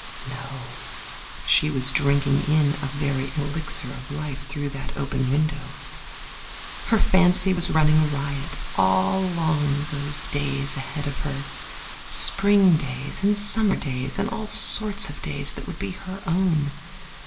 No; she was drinking in a very elixir of life through that open window. Her fancy was running riot along those days ahead of her. Spring days, and summer days, and all sorts of days that would be her own.